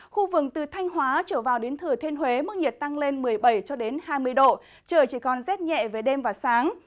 khu vực từ thanh hóa trở vào đến thừa thiên huế mức nhiệt tăng lên một mươi bảy cho đến hai mươi độ trời chỉ còn rét nhẹ về đêm và sáng